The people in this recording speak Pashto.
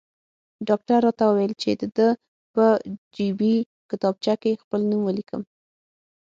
ډاکټر راته وویل چې د ده په جیبي کتابچه کې خپل نوم ولیکم.